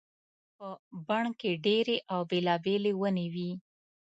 په بڼ کې ډېرې او بېلابېلې ونې وي.